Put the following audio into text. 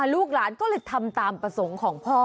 ลูกหลานก็เลยทำตามประสงค์ของพ่อ